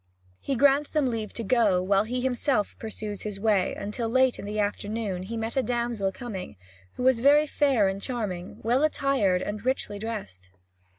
He grants them leave to go, while he himself pursues his way, until late in the afternoon he met a damsel coming, who was very fair and charming, well attired and richly dressed.